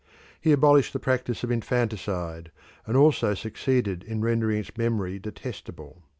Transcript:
He abolished the practice of infanticide, and also succeeded in rendering its memory detestable.